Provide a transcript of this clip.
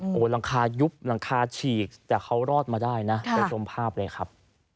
โอ้โหหลังคายุบหลังคาฉีกแต่เขารอดมาได้นะไปชมภาพเลยครับ